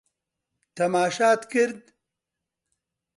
تەماشات کرد؟